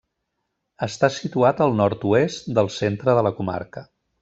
Està situat al nord-oest del centre de la comarca.